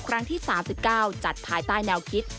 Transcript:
ครั้งที่๓๙จัดภายใต้แนวคิด